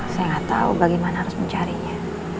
saya nggak tahu bagaimana harus mencarinya